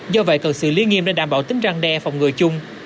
do vậy cần sự liên nghiêm để đảm bảo tính răng đe phòng ngừa chung